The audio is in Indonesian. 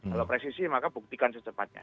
kalau presisi maka buktikan secepatnya